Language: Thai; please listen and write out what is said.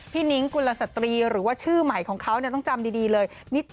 นิ้งกุลสตรีหรือว่าชื่อใหม่ของเขาต้องจำดีเลย